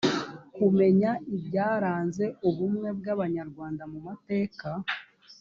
kumenya ibyaranze ubumwe bw abanyarwanda mu mateka